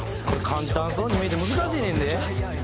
「簡単そうに見えて難しいねんで」